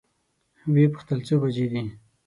وې پوښتل څو بجې دي؟